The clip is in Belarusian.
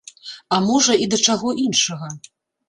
А можа, і да чаго іншага.